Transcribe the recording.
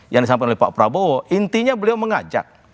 yang disampaikan oleh pak prabowo intinya beliau mengajak